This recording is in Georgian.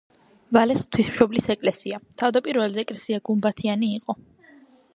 ვალეს ღვთისმშობლის ეკლესია თავდაპირველად ეკლესია გუმბათიანი იყო.